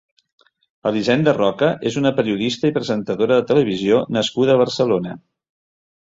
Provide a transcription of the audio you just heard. Elisenda Roca és una periodista i presentadora de televisió nascuda a Barcelona.